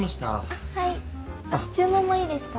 あっはい注文もいいですか？